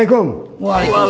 salam perhatian kita sehat sehat